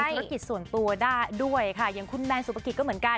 ธุรกิจส่วนตัวได้ด้วยค่ะอย่างคุณแมนสุปกิจก็เหมือนกัน